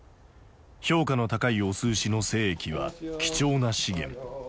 評価の高い雄牛の精液は貴重な資源。